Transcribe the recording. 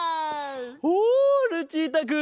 おルチータくん！